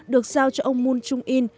được giao cho ông moon chung in